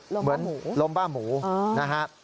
ลมบ้ามูลมบ้ามูนะฮะ